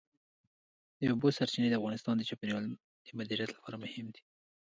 د اوبو سرچینې د افغانستان د چاپیریال د مدیریت لپاره مهم دي.